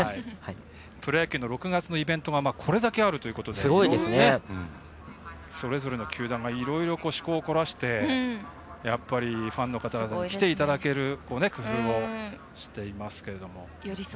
プロ野球の６月のイベントがこれだけあるということでそれぞれの球団がいろいろ思考を凝らしてファンの方にきていただけるようにしています。